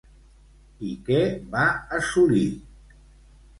I què va assolir?